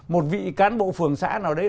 một vị cán bộ phường xã nào đấy